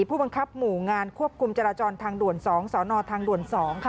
ผู้บังคับหมู่งานควบคุมจราจรทางด่วน๒สนทางด่วน๒ค่ะ